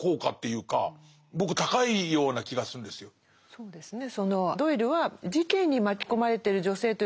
そうですね。